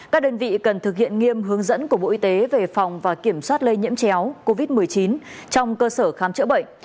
các đơn vị cần thực hiện nghiêm hướng dẫn của bộ y tế về phòng và kiểm soát lây nhiễm chéo covid một mươi chín trong cơ sở khám chữa bệnh